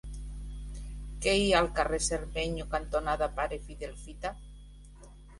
Què hi ha al carrer Cermeño cantonada Pare Fidel Fita?